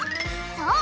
そう！